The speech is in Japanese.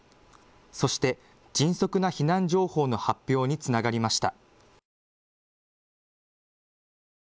そして迅速な避難情報の発表につながりました。